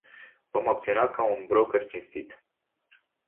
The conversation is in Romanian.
Vom acționa ca un "broker cinstit”.